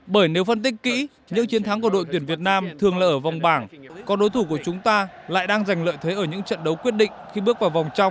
bởi nếu phân tích kỹ những chiến thắng của đội tuyển việt nam thường là ở vòng bảng còn đối thủ của chúng ta lại đang giành lợi thế ở những trận đấu quyết định khi bước vào vòng trong